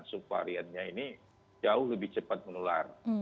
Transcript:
subvariannya ini jauh lebih cepat menular